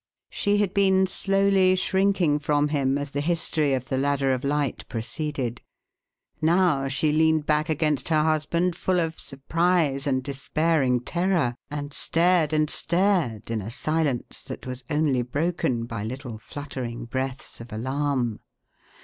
She had been slowly shrinking from him as the history of the Ladder of Light proceeded; now she leaned back against her husband, full of surprise and despairing terror, and stared and stared in a silence that was only broken by little fluttering breaths of alarm.